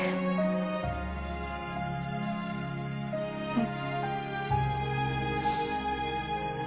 うん。